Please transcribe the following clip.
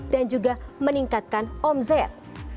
dan juga meningkatkan omzet